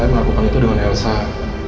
saya melakukan itu dengan yosha